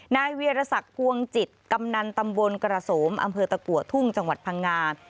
เวียรศักดิ์พวงจิตกำนันตำบลกระโสมอำเภอตะกัวทุ่งจังหวัดพังงา